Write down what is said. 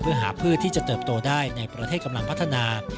เพื่อหาพืชที่จะเติบโตได้ในประเทศกำลังพัฒนา